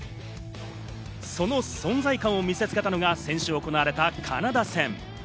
その存在感を見せ付けたのが先週行われたカナダ戦。